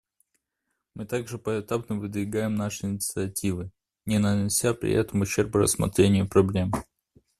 Мы также поэтапно выдвигаем наши инициативы, не нанося при этом ущерба рассмотрению проблем.